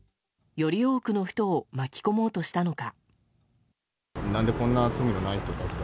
より多くの人を巻き込もうとしたのか。